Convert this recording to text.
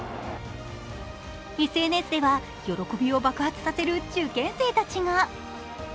ＳＮＳでは喜びを爆発させる受験生たちが。